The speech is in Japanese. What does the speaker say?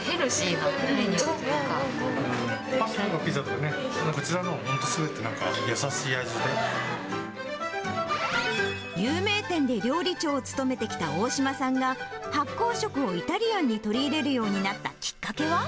パスタとかピザとかね、すべて、有名店で料理長を務めてきた大島さんが、発酵食をイタリアンに取り入れるようになったきっかけは。